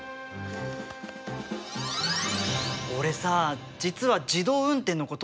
俺さ実は自動運転のこと